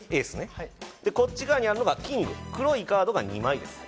こちら側にあるのがキング、黒いカードが２枚です。